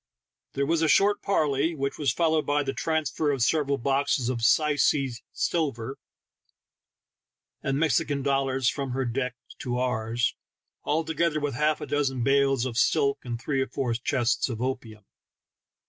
There was a short parley, whieh was fol lowed by the transfer of several boxes of syeee silver and Mexican dollars from her deck to ours, together with half a dozen bales of silk and three or four chests of opium.